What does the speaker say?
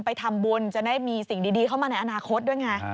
ไปทำบุญจะได้มีสิ่งดีเข้ามาในอนาคตด้วยไง